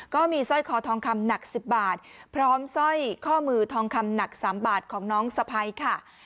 สร้อยคอทองคำหนัก๑๐บาทพร้อมสร้อยข้อมือทองคำหนัก๓บาทของน้องสะพัยค่ะ